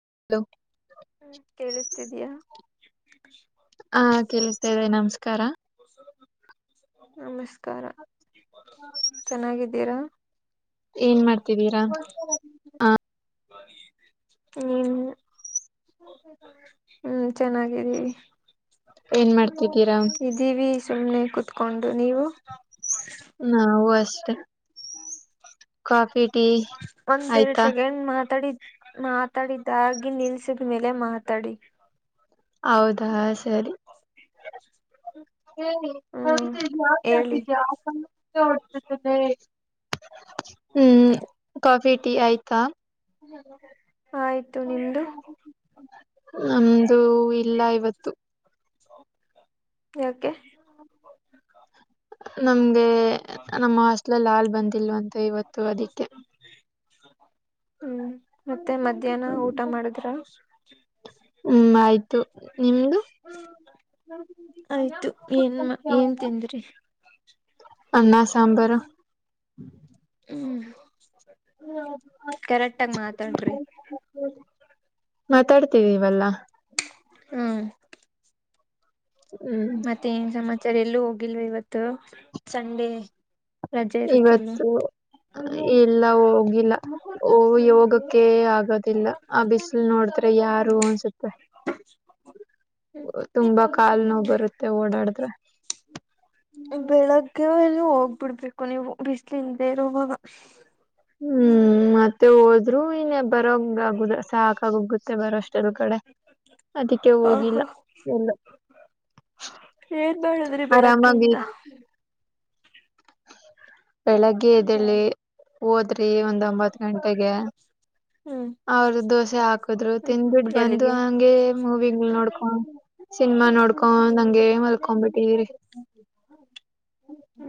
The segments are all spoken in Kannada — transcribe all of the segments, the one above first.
ಹ ಕೇಳಿಸ್ತಿದಯಾ ಹಾ ಕೇಳಿಸ್ತಾ್ದದೆ ನಮಸ್ಕಾರ ನಮಸ್ಕಾರ ಚೆನ್ನಾಗಿದ್ದೀರಾ ಏನ್ ಮಾಡ್ತಿದ್ದೀರಾ ಹ ಹ್ಮ ಹ್ಮ್ ಚೆನ್ನಾಗಿದ್ದೀ ಏನ್ ಮಾಡ್ತ ಇದೀವಿ ಸುಮ್ನೆ ಕುೂತ್ಕೊಂಡು ನೀವು ಕಾಫ ಒಂದೆರಡ್ ಸೆಕೆಂಡ್ ಮಾತಾಡಿದ ಮಾತಾಡಿದಾಗಿ ನಿಲ್ಸಿದ್ಮೇಲೆ ಮಾತಾಡಿ ಹೌದಾ ಸರಿ ಹ ಹ್ಮ್ ಹೇಳಿ ಜಿದ ತೋಡ್ತದೆ ಹ್ಮ್ ಕಾಫಿ ಟೀ ಆಯ್ತಾ ಆಯ್ತು ನಿಮ್ದು ನಮ್ದು ಇಲ್ಲ ಇವತ್ತು ಕೆ ನಮ್ಗೆ ನಮ್ಮ ಹಸ್ಲಲ್ಲಿ ಹಾಲ್ ಬಂದಿಲ್ವ ಅಂತ ಇವತ್ತು ಅದಕ್ಕೆ ಹ್ಮ್ ಮತ್ತೆ ಮಧ್ಯಾಹ್ನ ಊಟ ಮಾಡುದ್ರ ಹ್ಮ ಆಯ್ತು ನಿಮ್ದು ಆಯ್ತು ಏನ್ ಏನ್ ತಿಂದ್ರಿ ಅ್ಣ ಸಾಂಬಾರ ಹ್ಮ್ ಕರೆಕ್ಟ್ ಆಗ ಮಾತಾಡ್ರಿ ಮಾತಾಡ್ತವಿವಲ್ಲ ಹ್ಮ ಹ್ಮ್ ಮತ್ತೆ ಏನ್ ಸಮಾಚಾರ ಎಲ್ಲೂ ಹೋಗಿಲ್ವ ಇವತ್ತು ಸಂಡೆ ರಜೆ ಇರುತ್ತಲ್ಲ ಇವತ್ತು ಇಲ್ಲ ಹೋಗಿಲ್ಲ ಯೋಗಕ್ಕೆ ಆಗೋದಿಲ್ಲ ಆ ಬಿಸಿಲ್ ನೋಡ್ತ ಯಾರು ಅನ್ಸುತ್ತೆ ತುಂಬಾ ಕಾಲ್ ನೋ ಬರುತ್ತೆ ಓಡಾಡ ಹ ಬೆಳಗ್ಗೆ ಹೋಗ್ಬಿಡ್ಬೇಕು ನೀವು ಬಿಸಿ್ಲಿಂದೇ ಇರುವ ಹ್ಮ್ ಮತ್ತೆ ಹೋದ್ೂ ಇನ್ನ ಬರಂಗ ಆಗುದ ಸಾಕಾಗೋಗುತ್ತೆ ಬರೋಷ್ಟೆ ಕೆಳ ಕಡೆ ಅದಕ್ಕೆ ಹ ಹ ಹೋಗಿಲ್ಲ ಎಲ್ಲ ಏನ್ ಮಾಡಾುದ್ರಿ ಆರಾಮಾಗಿ ಬೆಳಗ್ಗೆಯಿಂದ ಬೆಳಗ್ಗೆ ಎ್ದೇಳಿ ಹೋದ್ರಿ ಒಂದ್ಂಬತ್ ಗಂಟೆಗೆ ಹ್ಮ್ ಅವ್ರ ದೋಸೆ ಹಾಕದ್ರು ಹ್ಮ್ ತಿಿಂದ್ಬಿಟ್ಟ ಬಂದು ಎಲ್ಲಿಗೆ ಹಂಗೆ ಮೂವಿ ನೋಡ್ಕೊಂಡ ಸಿನಿಮಾ ನೋಡ್ಕೊ ಹಂಗೆ ಮಲ್ಕೊಬಿಟ್ಟಿ್ರಿ ಹ್ಮ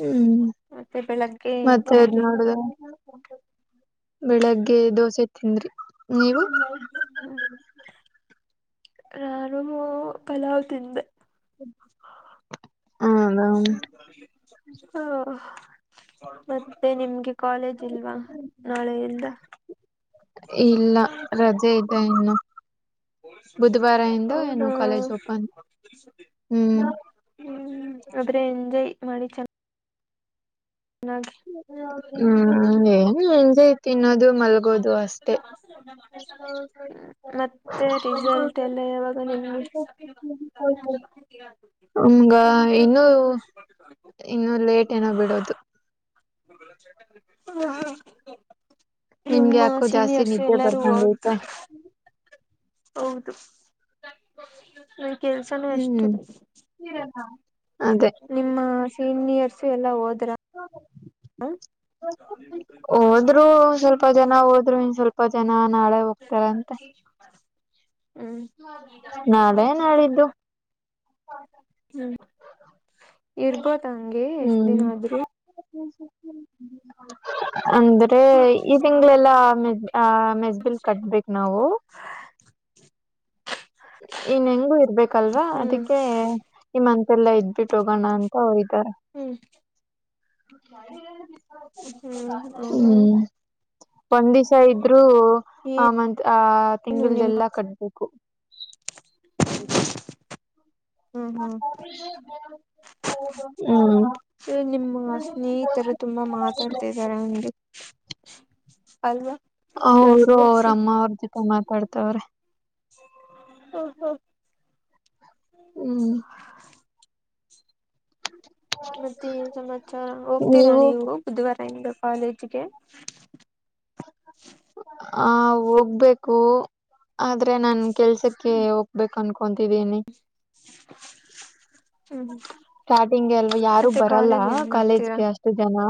ಹ್ಮ್ ಮತ್ತೆ ಬೆಳಗ್ಗೆ ಏನ್ ಮತ್ತೆದ್ ತಿಂದ್ರಿ ನೋಡುದ ಬೆಳಗ್ಗೆ ದೋಸೆ ತಿಂದ್ರಿ ನೀವು ಹ ನಾನುಮ ಕಲಾವತಿಿಂದ ಹೌದ ಹ ಮತ್ತೆ ನಿಮ್ಗೆ ಕಾಲೇಜ್ ಇಲ್ವಾ ನಾಳೆೆಯಲ್ದ ಇಲ್ಲ ರಜೆ ಇದ್ದ ಇನ್ನು ಬುಧವಾರ ಇಿಂದ ಹೌದಾ ಏನು ಕಾಲೇಜ್ ಓಪನ್ ಹ್ಮ್ ಹ್ಮ್ ಆದ್ರೆ ಎಂಜಾಯ್ ಮಾಡಿ ಚೆನ್ನ ಹ್ಮ್ ಎೆ ತಿನ್ನೋದು ಮಲ್ಗೋದು ಅಷ್ಟೇ ಮತ್ತೆ ರಿಸಲ್ಟ್ ಎಲ್ಲ ಯಾವಾಗ ನಿಮ್ಗೆ ಹಮ್ಂಗ ಇನ್ನುೂ ಇನ್ನುೂ ಲೇಟ್ ಏನ ಬಿಡೋದು ಹಾ ನಿಮ್ಗೆ ಯಾಕೋ ಜಾಸ್ತಿ ನಿದ್ದೆ ಹೌದು ಬರ್ಬಂದಐತೆ ಹೌದು ಕೆಲ್ಸನೂ ಎಷ್ಟು ಹ್ಮ್ ಅದೇ ನಿಮ್ಮ ಸೀನಿಯರ್ಸು ಎಲ್ಲಾ ಹೋದ್ರ ಹೋದ್ರು ಸ್ವಲ್ಪ ಜನ ಹೋದ್ರು ಇ ಸ್ವಲ್ಪ ಜನ ನಾಳೆ ಹೋಗ್ತಾರಂತೆ ಹ್ಮ್ ನಾಳೆ ನಾಡಿದ್ದು ಹ್ಮ್ ಇರ್ಬೋದ ಹಂಗೆ ಎಷ್ಟ ಹ್ಮ್ ದಿನ ಆದ್ರು ಅಂದ್ರೆ ಈ ತಿಂಗಳೆಲ್ಲಾ ಮ ಮೆಸ್ಬಿಲ್ ಕಟ್ಬೇಕ ನಾವು ಇನ್ ಹೆಂಗು ಇರ್ಬೇಕಲ್ವಾ ಹ್ಮ್ ಅದಕ್ಕೆಮ್ಮ ಎಲ್ಲ ಇದ್ ಬಿಟ್ಟು ಹೋಗೋಣ ಅಂತ ಹೋ್ದ ಹ್ಮ್ ಹ್ಮ್ ಹೌದ ಹ್ಮ್ ಒಂದ್ ದಿವಸ ಇದ್ರರು ಆ ಮಂತ್ ಆ ಏನು ನಿಮ್ಮ ತಿಂಗಲ್ದೆಲ್ಲ ಕಟ್ಬೇಕು ಹ್ಮ ಹ್ಮ್ ಹ್ಮ್ ನಿಮ್ಮ ಸ್ನೇಹಿತರು ತುಂಬಾ ಮಾತಾಡ್ತಾ ಇದಾರೆ ಒಂದು ಅವರು ಅವ್ರ ಅಮ್ಮ ಅವ್ರ ಜೊತೆ ಮಾತಾಡ್ತವ್ರೆ ಹ ಹ ಹ್ಮ್ ಮತ್ತೆನ್ ಸಮಾಚಾರ ಹೋಗ್ತೀರಾ ನೀವು ಬುಧವಾರ ಇಿಂದ ಕಾಲೇಜ್ ಿಕೆ ಆ ಹೋಗ್ಬೇಕು ಆದ್ರೆ ನನ್ ಕೆಲ್ಸಕ್ಕೆ ಹೋಗ್ಬೇಕು ಕನ್ಕೊಂತಿವೀನಿ ಹ್ಮ್ ಸ್ಟಾರ್ಟಿಂಗ್ಗೆ ಎಲ್ ಯಾರು ಮತ್ತೆ ಬರಲ್ಲ ಕಾಲೇಜ್ ಏನ್ ಮಾಡ್ತೀರಾ ಕಾಲೇಜ್ಗೆ ಅಷ್ಟು ಜನ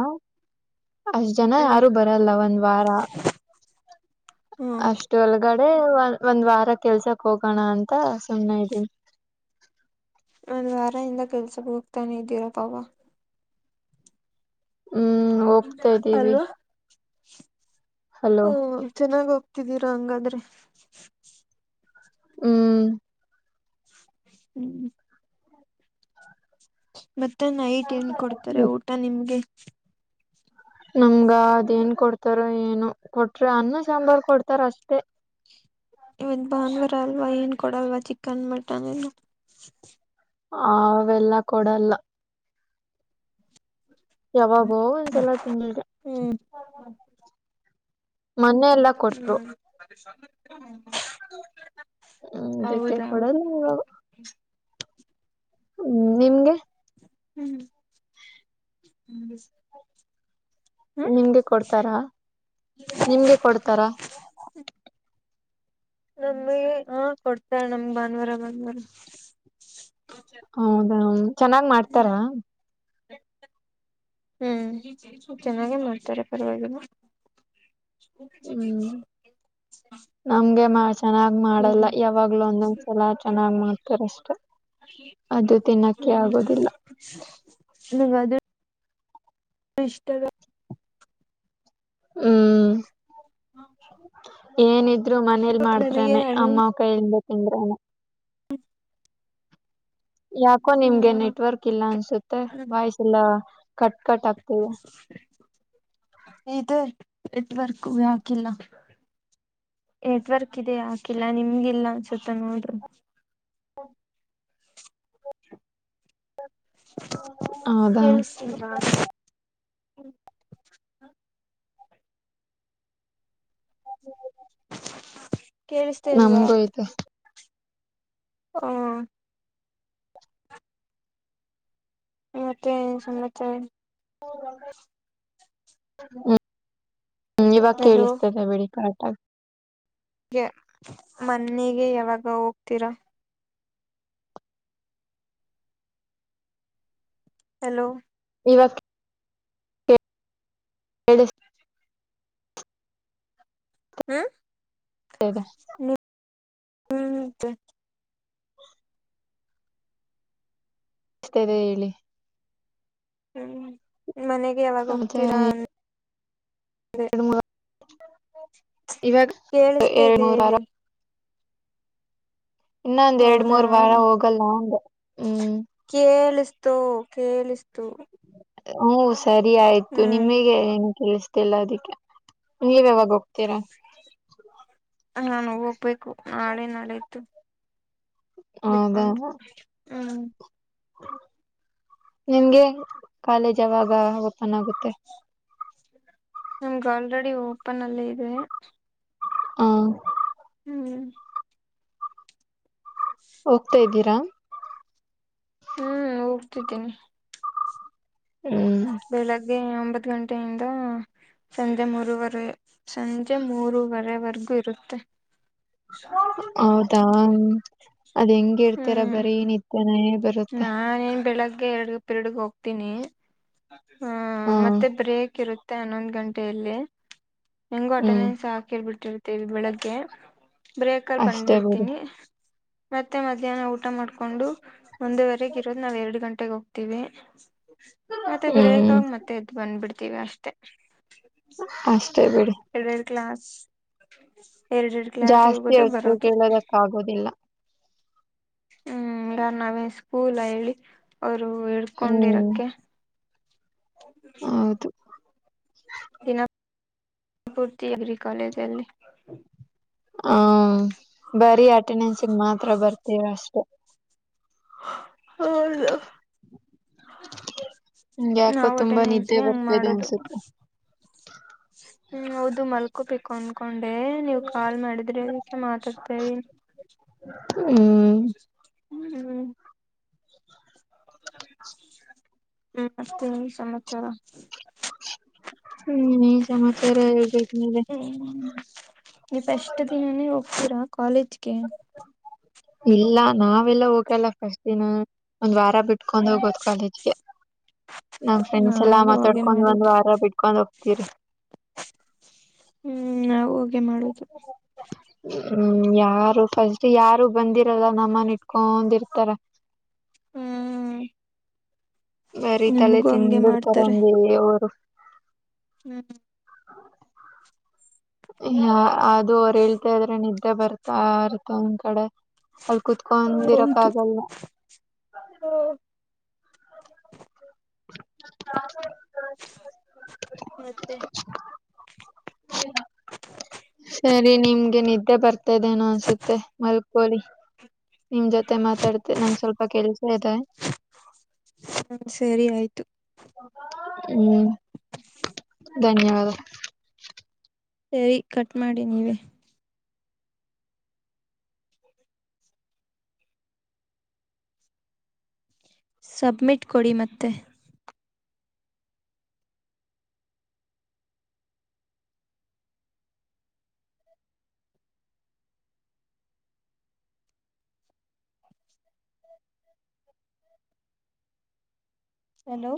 ಅಷ್ಟ ಜನ ಹ್ಮ್ ಯಾರು ಬರಲ್ಲ ಒಂದ್ ವಾರ ಹ್ಮ್ ಅಷ್ಟು ಒಳಗಡೆ ಅ ಒಂದ್ ವಾರ ಕೆಲ್ಸಕ್ ಹೋಗೋಣ ಅಂತ ಸುಮ್ಮ್ನೆ ಇದ್ದೀನಿ ಒಂದು ವಾರ ಇಿಂದ ಕೆಲಸ ಹೋಗ್ತಾನೆ ಇದ್ದೀರಾ ಪಾವ ಹ್ಮ್ ಹೋಗ್ತಾ ಅ ಇದ್ದೀವಿ ಹಲೋ ಹ ಚೆನ್ನಾಗೋಗ ಹತಿದ್ದೀರಾ ಹಂಗಾದ್ರೆ ಹ್ಮ್ ಹ್ಮ್ ಮತ್ತೆ ನೈಟ್ ಎಲ್ಲಿ ಕೊಡ್ತಾರೆ ಊಟ ನಿಮ್ಗೆ ನಮ್ಗ ಅದೇನ್ ಕೊಡ್ತಾರ ಏನು ಕೊಟ್ರೆ ಅನ್ನ ಸಾಂಬಾರ್ ಕೊಡ್ತಾರ ಅಷ್ಟೇ ಇವತ್ ಬಾಂದುವಾರ ಅಲ್ವಾ ಏನ್ ಕೊಡಲ್ವಾ ಚಿಕನ್ ಮಟನ್ ಇಲ್ಲ ಅವೆಲ್ಲ ಕೊಡಲ್ಲ ಯಾವಾಗೋ ಒಂದ್ಸಲ ತಿಂಗಳಗೆ ಹ್ಮ್ ಹ್ಮ್ ಹ್ಮ್ ಹ ಅದಕ್ಕೆ ಕೊಡಲ್ಲ ಇವಾಗ ಹೌದಾ ಹ್ಮ್ ನಿಮ್ಗೆ ಹ್ಮ್ ಹ್ಮ ನಿಮ್ಗೆ ಕೊಡ್ತಾರಾ ನಿಮ್ಗೆ ಕೊಡ್ತಾರ ನಮಗೆ ಹಾ ಕೊಡ್ತಾರೆ ನಮ ಭಾನುವಾರ ಭಾನುವಾರ ಹೌದಾ ಚೆನ್ನಾಗ್ ಮಾಡ್ತಾರಾ ಹ ಹ್ಮ್ ಚೆನ್ನಾಗೇ ಮಾಡ್ತಾರೆ ಪರ್ವಾಗಿ ಹ ಹ್ಮ್ ನಮ್ಗೆ ಮಾ ಚೆನ್ನಾಗ್ ಮಾಡಲ್ಲ ಯಾವಾಗ್ಲೂ ಒಂದೊಂದ್ಸಲ ಚೆನ್ನಾಗ್ ಮಾಡ್ತಾರಷ್ಟೆ ಅದು ತಿನ್ನಕ್ಕೆ ಆಗೋದಿಲ್ಲ ನಂಗ ಅದು ಇಷ್ಟದ ಹ್ಮ್ ಏನಿದ್ರು ಮನೇಲಿ ನಮಗೆ ಮಾಡ್ತ್ರ್ರಾನನೆ ಅಮ್ಮ ಕೈಯಲ್ದ ಹ್ರ ಹ್ಮ ಯಾಕೋ ನಿಮ್ಗೆ ನೆಟ್ವರ್ಕ್ ಇಲ್ಲ ಅನ್ಸುತ್ತೆ ವಾಯ್ಸ ಎಲ್ಲ ಕಟ್ ಕಟ್ ಆಗ್ತದೆ ಇದೆ ನೆಟ್ವರ್ಕ್ ಹಾಕಿಲ್ಲ ನೆಟ್ವರ್ಕ್ ಇದೆ ಯಾಕಿಲ್ಲ ನಿಮ್ಗಿಲ್ಲ ಅನ್ಸುತ್ತ ನೋಡರು ಹೌದಾ ತಿಳಿಸ ಕೇಳಿಸ್ತೇ ಅಲ್ವಾ ನಮ್ಗೂ ಐತೆ ಹ ಮತ್ತೆ ಸಮಾಚ ಹ್ಮ ಇವಾಗ ಹಲೋ ಕೇಳಿಸ್ತದೆ ಬಿಡಿ ಕಟಾ ಗೆ ಮನ್ನೆಗೆ ಯಾವಾಗ ಹೋಗ್ತೀರಾ ಹಲೋ ಇವತ್ತು ಎಡು ಹ್ಮ್ ನೀ ಹ್ಮ್ ಮಸ್ತದೆ ಹೇಳಿ ಹ್ಮ್ ಮನೆಗೆ ಯಾವಾಗ ಹೋಗ್ತೀರಾ ಎಡು ಇವಾಗ ಕೇಳಿಸ್ತಾ ಇದೆ ಎನೂರರ ಹೇಳಿ ಎರಡ್ ಹೌದಾ ಮೂರ್ ವಾರ ಹೋಗಲ್ಲ ಅಂದೆ ಹ್ಮ್ ಕೇಳ ತೋ ಕೇಳಿಸ್ತು ಹ್ಮ ಸರಿ ಆಯ್ತು ಹ್ಮ್ ನಿಮಗೆ ಕಳಿಸತಿ ಇಲ್ಲ ಅದಿಕ್ಕೆ ನೀವ ಯಾವಾಗ ಹೋಗ್ತೀರಾ ನಾನು ಹೋಗ್ಬೇಕು ನಾಳೆ ನಾಳೆಯತು ಹೌದಾ ಬಿಟ್ಕೊಂಡು ಹ್ಮ್ ನಿಮ್ಗೆ ಕಾಲೇಜ್ ಯಾವಾಗ ಓಪನ್ ಆಗುತ್ತೆ ನಮ್ಗೆ ಆಲ್ರೆಡಿ ಓಪನ್ ಅಲ್ಲಿ ಇದೆ ಹ್ಮ ಹ್ಮ್ ಹೋಗ್ತಾ ಇದ್ದೀರಾ ಕೊಡ್ತಿದ್ದೀನಿ ಹ್ಮ ಹಾಗಗೆ ಒಂಬತ್ ಗಂಟೆಯಿಂದ ಸಂಜೆ ಮೂರರುವರೆ ಸಂಜೆ ಮೂರರುವರೆವರೆಗೂ ಇರುತ್ತೆ ಹೌದಾ ಅದ್ ಹೆಂಗ ಇರ್ತೀರ ಬರೀ ನಿತ್ಯಾನೆ ನಾೇನ್ ಬೆಳಗ್ಗೆ ಎರಡ್ ಪಿರಡ್ಗೆ ಹೋಗ್ತೀನಿ ಹಾ ಮತ್ತೆ ಬ್ರೇಕ್ ಇರುತ್ತೆ ಹನ್ನೊಂದ ಗಂಟೆಯಲ್ಲಿ ಹೆಂಗು ಹ್ಮ್ ಅಟೆಂಡೆನ್ಸ್ ಹಾಕಿಳ್ಬಿಟ್ಟಿರ್ತೇವಿ ಬೆಳಗ್ಗೆ ಬ್ರೇಕಾರ್ ಅಷ್ಟೇ ಬಿಡಿ ಬಂದ್ಬಿಡ್ತೀನಿ ಮತ್ತೆ ಮಧ್ಯಾಹ್ನ ಊಟ ಮಾಡ್ಕೊಂಡು ಒಂದುವರೆಗೆ ಇರೋದ್ ನಾವ್ ಎರಡು ಗಂಟೆ ಹೊಟ್ಟೆಗೆ ಹೋಗ್ತೀವಿ ಮತ್ತೆ ಬ್ರೇಕ ಹ್ಮ್ ಆಗ ಮತ್ತೆ ಎದ್ ಬಂದ್ಬಿಡ್ತೀವಿ ಅಷ್ಟೆ ಅಷ್ಟೇ ಬಿಡಿ ಲ್ ಕ್ಲಸ್ ಎರಡೆ ಎರಡು ಕ್ಲಾಸ್ ಜಾಸ್ತಿ ಹೋಗೋದು ಹೊತ್ತು ಬರೋದು ಕೇಳೋದಕ್ ಆಗೋದಿಲ್ಲ ಹ್ಮ್ ಯಾರ್ ನಾವೇ ಸ್ಕೂಲ್ ಹೇಳಿ ಅವರು ಹ್ಮ್ ಹಡ್ಕೊಂಡಿರಕ್ಕೆ ಹೌದು ದಿನಪೂರ್ತಿ ಅಗ್ರಿಕಾಲೇಜಲ್ಲಿ ಹ ಬರೀ ಅಟೆಂಡೆನ್ಸ್ಗ್ ಮಾತ್ರ ಬರ್ತೀರ ಅಷ್ಟೆ ಹೌ ಯಾಕೋ ನಾವ್ ತುಂಬಾ ನಿದ್ದೆ ಅಟೆಂಡೆನ್ಸ್ಗೆ ಹಂಗ ಬರ್ತಿದೆ ಮಾಡುದು ಅನ್ಸುತ್ತೆ ಹ್ಮ್ ಹೌದು ಮಲ್ಕೋಬೇಕು ಅನ್ಕೊಂಡ ಅಂಡೇ ನೀವ್ ಕಾಲ್ ಮಾಡಿದ್ರೆ ಅದಕ್ಕೆ ಮಾತಾಡ್ತೇವ ಹ್ಮ್ ಹ್ಮ್ ಹ್ಮ್ ಮಸ್ತೇ ನಿ ಸಮಾಚಾರ ಹ್ಮ್ ನೀ ಸಮಾಚಾರ ಹೇಳ್ಬೇಕ ಮೇಲೆ ನೀಫಷ್ಟಟ್ ದಿನಾನೇ ಹೋಗ್ತೀರಾ ಕಾಲೇಜ್ಗೆ ಇಲ್ಲ ನಾವೆಲ್ಲ ಹೋಗಲ್ಲ ಫಸ್ಟ್ ದಿನ ಒಂದ್ ವ ಬಿಟ್ಕೊಂಡ್ ಹ್ಮ್ ಹೋಗೋದು ಕಾಲೇಜ್ಗೆ ನಮ್ ಫ್ರೆಂಡ್ಸ್ ಎಲ್ಲಾ ನಾವು ಹಾಗೆ ಮಾತಾಡ್ಕೊಂಡ್ ಒಂದ್ ಮಾಡೋದು ವಾರ ಬಿಟ್ಕೊಂಡ್ ಹೋಗತೀರಿ ಹ್ಮ್ ನಾ ಹೋಗೆ ಮಾಡುದು ಹ್ಮ್ ಯಾರು ಫಸ್ಟ್ ಯಾರು ಬಂದಿರಲ್ಲ ನಮ್ಮನ್ ಇಟ್ಕೊಂಡಿರ್ತಾರ ಹ್ಮ್ ಬರಿೀ ತಲೆ ನಮಗೂ ತಿನ್ ಹಂಗೆ ಮಾಡ್ತಾರೆ. ಬಿಿಡ್ತಾರಂಗೆ ಅವರು ಹ್ಮ್ ಹ ಯ ಅದು ಅವ್ರು ಹೇಳ್ತಾ ಇದ್ರೆ ನಿದ್ದೆ ಬರ್ತಾ ಇರ್ತ ಒಂದ್ ಕಡೆ ಅಲ್ಲಿ ಕುೂತ್ಕೊಂಡಿರಕ್ಕ ಹೌದು ಆಗಲ್ಲ ಸ ಮತ್ತೆ ಸರಿ ನಿಮ್ಗೆ ನಿದ್ದೆ ಬರ್ತಾದೆೇನೋ ಅನ್ಸುತ್ತೆ ಮಲ್ಕೋಳಿ ನಿಮ್ ಜೊತೆ ಮಾತಾಡ್ತ ನಂ ಸ್ವಲ್ಪ ಕೆಲ್ಸ ಇದೆ ಹ್ಮ ಸರಿ ಆಯ್ತು ಹ್ಮ್ ಧನ್ಯವಾದ ಸರಿ ಕಟ್ ಮಾಡಿ ನೀವವೆ ಸಬ್ಮಿಟ್ ಕೊಡಿ ಮತ್ತೆ ಹಲೋ